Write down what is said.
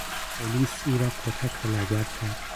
پلیس او را کتک و لگد زد.